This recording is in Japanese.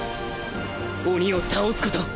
鬼を倒すこと